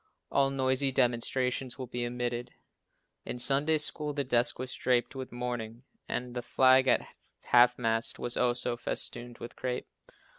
All noisy demonstrations will be omitted. In Sunday school the desk was draped with mourning, and the flag at half mast was also festooned with crape.